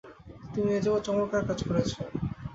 তুমি এ যাবৎ চমৎকার কাজ করেছ।